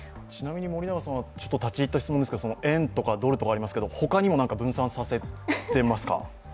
立ち入った質問ですけど円とかドルとかありますけど他にも何か分散させてますか？